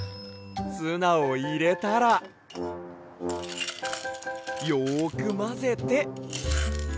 ツナをいれたらよくまぜて。